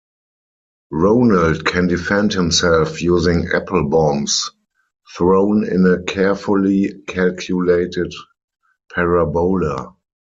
Ronald can defend himself using apple bombs, thrown in a carefully calculated parabola.